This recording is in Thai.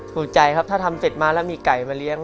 ถูกใจครับถ้าทำเสร็จมาแล้วมีไก่มาเลี้ยง